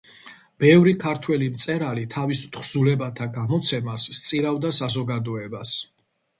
ბევრი ქართველი მწერალი თავის თხზულებათა გამოცემას სწირავდა საზოგადოებას.